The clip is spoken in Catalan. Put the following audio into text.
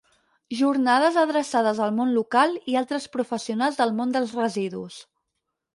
Jornades adreçades al món local i altres professionals del món dels residus.